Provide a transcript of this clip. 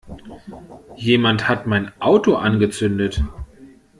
Jemand hat mein Auto angezündet!